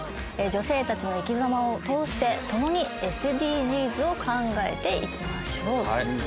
女性たちの生き様を通して共にＳＤＧｓを考えていきましょう。